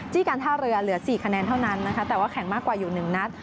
การท่าเรือเหลือ๔คะแนนเท่านั้นนะคะแต่ว่าแข่งมากกว่าอยู่๑นัด